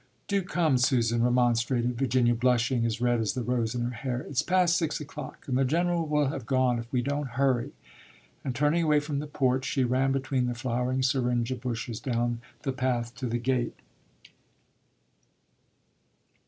"Do come, Susan!" remonstrated Virginia, blushing as red as the rose in her hair. "It's past six o'clock and the General will have gone if we don't hurry." And turning away from the porch, she ran between the flowering syringa bushes down the path to the gate.